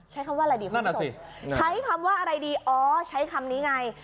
ใช้คำว่าอะไรดีใช้คำว่าอะไรดีใช้คำนี้ไง